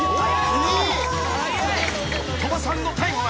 ［鳥羽さんのタイムは？